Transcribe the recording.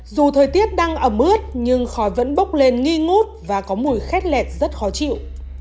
dù thời tiết đang ẩm ướt nhưng khói vẫn bốc lên nghi ngút và có mùi khét lẹt rất khó chịu